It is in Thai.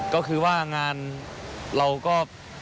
ก็คือว่างานเราก็